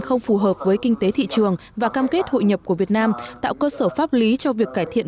không phù hợp với kinh tế thị trường và cam kết hội nhập của việt nam tạo cơ sở pháp lý cho việc cải thiện